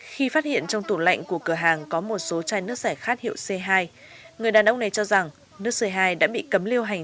khi phát hiện trong tủ lạnh của cửa hàng có một số chai nước giải khát hiệu c hai người đàn ông này cho rằng nước c hai đã bị cấm lưu hành